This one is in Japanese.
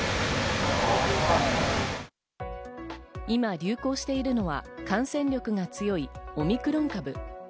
今、流行しているのは感染力が強いオミクロン株。